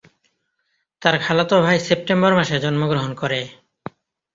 তার খালাতো ভাই সেপ্টেম্বর মাসে জন্মগ্রহণ করে।